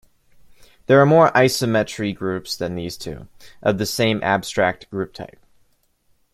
There are more isometry groups than these two, of the same abstract group type.